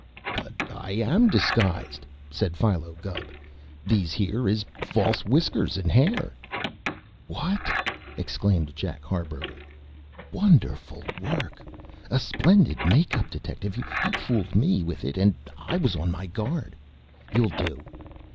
"But I am disguised," said Philo Gubb. "These here is false whiskers and hair." "What!" exclaimed Jack Harburger. "Wonderful work! A splendid make up, detective! You fooled me with it, and I was on my guard. You'll do.